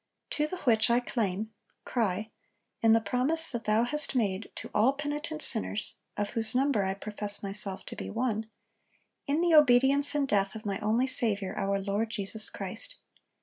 To the which I clame [cry] in the promise that Thou hast made to all penitent sinners (of whose number I profess myself to be one), in the obedience and death of my only Saviour, our Lord Jesus Christ.